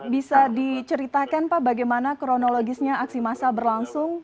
bisa diceritakan pak bagaimana kronologisnya aksi massa berlangsung